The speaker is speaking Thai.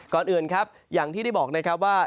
ก่อนอื่นครับอย่างที่ได้บอกนะครับว่า